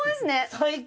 最高！